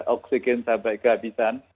oksigen sampai kehabisan